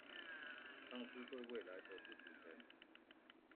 喪失對於未來的自主權